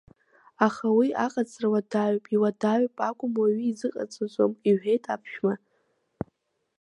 Аха уи аҟаҵара уадаҩуп, иуадаҩуп акәым, уаҩы изыҟаҵаӡом иҳәеит аԥшәма.